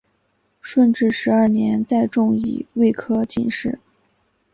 顺治十二年再中乙未科进士。